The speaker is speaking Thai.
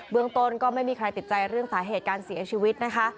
เมืองต้นก็ไม่มีใครติดใจเรื่องสาเหตุการเสียชีวิตนะคะ